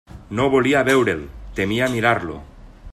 No volia veure'l: temia mirar-lo!